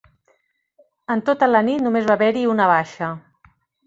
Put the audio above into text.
En tota la nit només va haver-hi una baixa